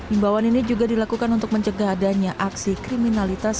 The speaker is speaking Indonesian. imbauan ini juga dilakukan untuk mencegah adanya aksi kriminalitas